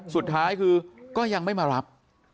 สุดท้ายคือก็ยังไม่มารับ